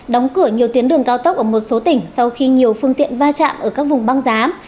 đóng cửa nhiều tuyến đường cao tốc ở một số tỉnh sau khi nhiều phương tiện va chạm ở các vùng băng giá